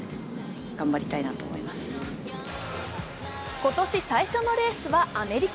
今年最初のレースはアメリカ。